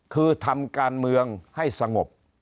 คือทำการเมืองให้สงบ